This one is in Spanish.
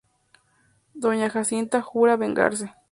Doña Jacinta jura vengarse.